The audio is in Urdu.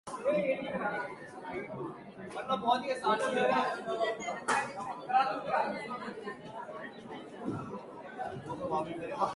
اسی طرح افغانستان کے ساتھ فطری رشتہ دوستی کا ہے۔